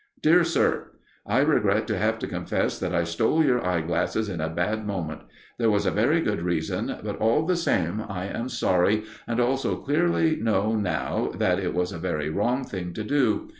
"DEAR SIR, "I regret to have to confess that I stole your eyeglasses in a bad moment. There was a very good reason, but, all the same, I am sorry, and also clearly know now that it was a very wrong thing to do.